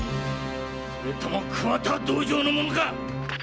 それとも桑田道場の者か？